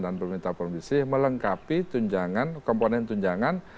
dan pemerintah provinsi melengkapi komponen tunjangan